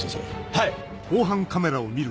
はい！